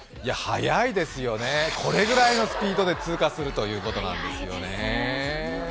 速いですよね、これぐらいのスピードで通過するということが。